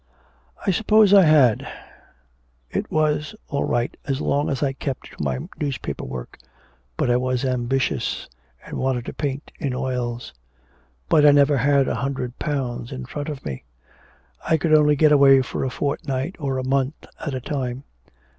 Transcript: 'I suppose I had. It was all right as long as I kept to my newspaper work. But I was ambitious, and wanted to paint in oils; but I never had a hundred pounds in front of me. I could only get away for a fortnight or a month at a time.